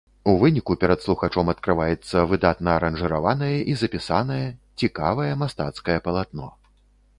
У выніку перад слухачом адкрываецца выдатна аранжыраванае і запісанае, цікавае мастацкае палатно.